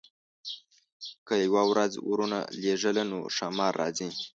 که یې یوه ورځ ورونه لېږله نو ښامار راځي.